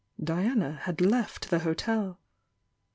Diana had left the hotel.